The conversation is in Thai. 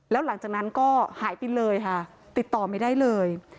แล้วหลังจากนั้นก็หายไปเลยค่ะติดต่อไม่ได้เลย